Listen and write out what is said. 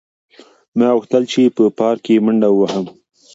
ما غوښتل چې په پارک کې منډه وهم.